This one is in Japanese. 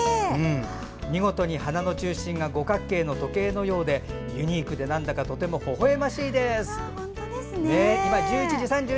見事に花の中心が五角形の時計のようでユニークでなんだかとてもほほえましいです。